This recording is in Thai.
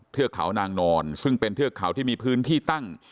เทือกเขานางนอนซึ่งเป็นเทือกเขาที่มีพื้นที่ตั้ง